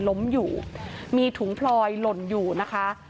ล้มอยู่มีถุงพลอยหล่นอยู่นะคะ